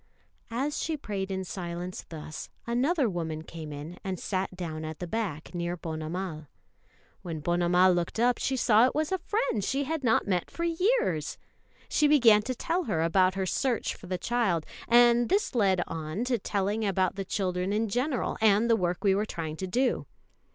] As she prayed in silence thus, another woman came in and sat down at the back near Ponnamal. When Ponnamal looked up, she saw it was a friend she had not met for years. She began to tell her about her search for the child; and this led on to telling about the children in general, and the work we were trying to do.